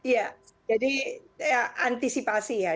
ya jadi antisipasi ya